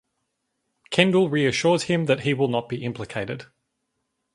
Kendall reassures him that he will not be implicated.